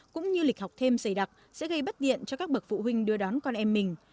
cũng như lịch học thêm dày đặc sẽ gây bất điện cho các bậc phụ huynh đưa đón con em mình